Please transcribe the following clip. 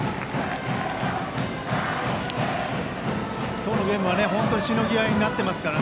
今日のゲームは本当にしのぎ合いになってますから